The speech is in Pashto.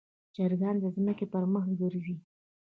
چرګان د ځمکې پر مخ ګرځي.